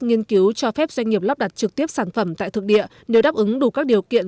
nghiên cứu cho phép doanh nghiệp lắp đặt trực tiếp sản phẩm tại thực địa nếu đáp ứng đủ các điều kiện